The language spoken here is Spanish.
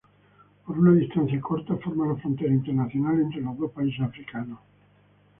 Por una distancia corta, forma la frontera internacional entre los dos países africanos.